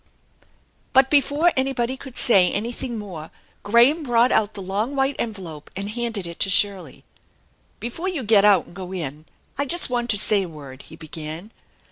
But before anybody could say anything more, Graham brought out the long white envelope and handed it to Shirley, " Before you get out and go in I just want to say a word, 31 he began.